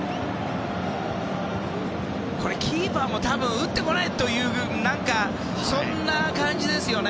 キーパーも多分打ってこないというそんな感じですよね。